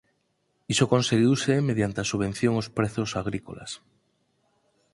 Iso conseguiuse mediante a subvención aos prezos agrícolas.